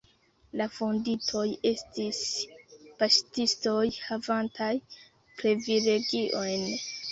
La fondintoj estis paŝtistoj havantaj privilegiojn.